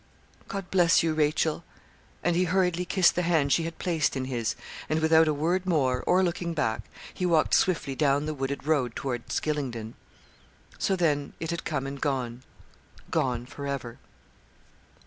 'God bless you, Rachel!' And he hurriedly kissed the hand she had placed in his, and without a word more, or looking back, he walked swiftly down the wooded road towards Gylingden. So, then, it had come and gone gone for ever.